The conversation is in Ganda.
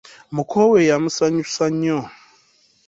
Muko we yamusanyusa nnyo.